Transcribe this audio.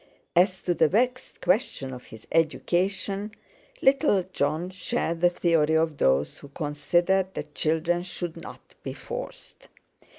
As to the vexed question of his education, little Jon shared the theory of those who considered that children should not be forced.